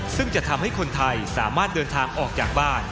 ซึ่งจะทำให้คนไทยสามารถเดินทางออกจากบ้าน